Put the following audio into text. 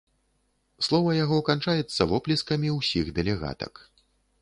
Слова яго канчаецца воплескамі ўсіх дэлегатак.